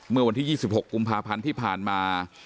เมื่อวันที่๒๖กุมภาพันธ์ที่ผ่านมา